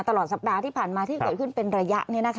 ตลอดสัปดาห์ที่ผ่านมาที่เกิดขึ้นเป็นระยะ